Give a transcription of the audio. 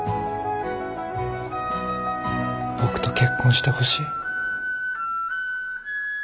僕と結婚してほしい。